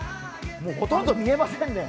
ほとんど見えませんね。